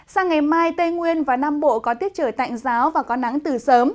sang ngày mai tây nguyên và nam bộ có tiết trời tạnh giáo và có nắng từ sớm